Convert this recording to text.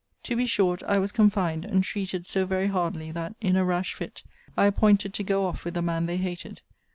'To be short; I was confined, and treated so very hardly, that, in a rash fit, I appointed to go off with the man they hated.